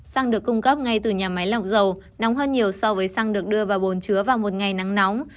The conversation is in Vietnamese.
xăng được cung cấp ngay từ nhà máy lọc dầu nóng hơn nhiều so với xăng được đưa vào bồn chứa vào một ngày nắng nóng